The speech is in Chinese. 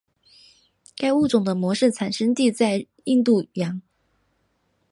该物种的模式产地在印度洋。